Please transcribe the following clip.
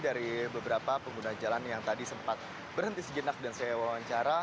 dari beberapa pengguna jalan yang tadi sempat berhenti sejenak dan saya wawancara